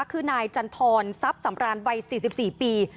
คือนายจันทรซับสำราญวัย๔๔ปี